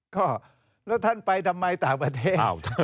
ก็แล้วท่านไปทำไมต่างประเทศ